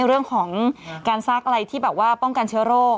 เรื่องของการซักอะไรที่แบบว่าป้องกันเชื้อโรค